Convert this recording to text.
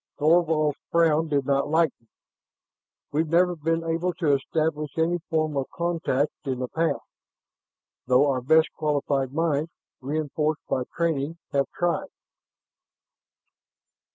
Thorvald's frown did not lighten. "We've never been able to establish any form of contact in the past, though our best qualified minds, reinforced by training, have tried...."